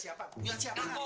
aku aku punya siapa